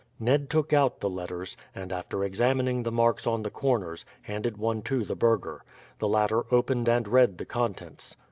Ned took out the letters; and after examining the marks on the corners, handed one to the burgher. The latter opened and read the contents.